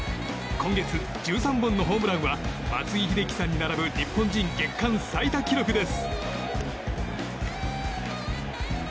今月１３本のホームランは松井秀喜さんに並ぶ日本人月間最多記録です。